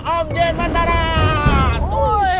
om jin matarah